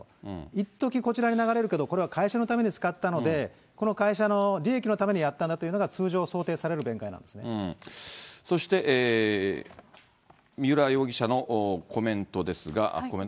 いっとき、こちらに流れるけど、これは会社のために使ったので、この会社の利益のためにやったんだというのが、そして三浦容疑者のコメントですが。